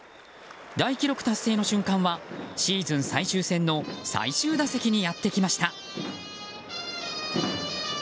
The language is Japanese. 大記録達成の瞬間はシーズン最終戦の最終打席にやってきました。